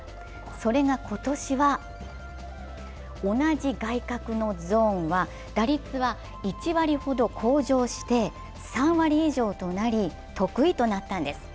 それが今年は同じ外角のゾーンは打率は１割ほど向上して３割以上となり、得意となったんです。